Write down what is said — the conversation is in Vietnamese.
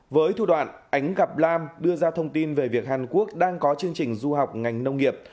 với thủ đoạn ánh gặp lam đưa ra thông tin về việc hàn quốc đang có chương trình du học ngành nông nghiệp